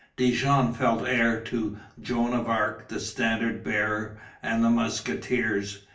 Dijon fell heir to Joan of Arc, the Standard Bearer, and the Musketeers.